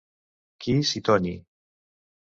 Keys i Tony!